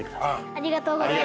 ありがとうございます。